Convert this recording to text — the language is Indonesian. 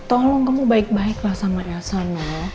tolong kamu baik baiklah sama elsa no